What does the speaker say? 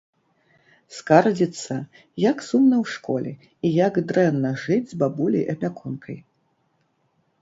Скардзіцца, як сумна ў школе і як дрэнна жыць з бабуляй-апякункай.